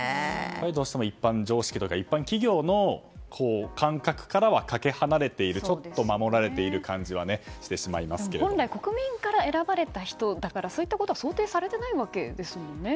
どうしても一般常識とか一般企業の感覚からはかけ離れている、ちょっと守られている感じは本来、国民から選ばれた人だからそういったことは想定されていないわけですよね。